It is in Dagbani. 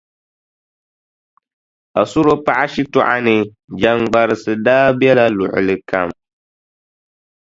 Asuro paɣa shitɔɣu ni, jaŋgbarisi daa bela luɣili kam.